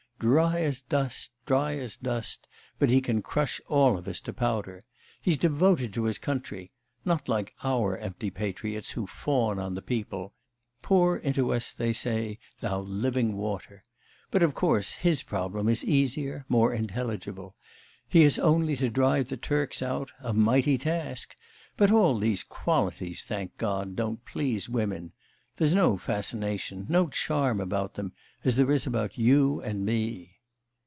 Dry as dust, dry as dust, but he can crush all of us to powder. He's devoted to his country not like our empty patriots who fawn on the people; pour into us, they say, thou living water! But, of course, his problem is easier, more intelligible: he has only to drive the Turks out, a mighty task. But all these qualities, thank God, don't please women. There's no fascination, no charm about them, as there is about you and me.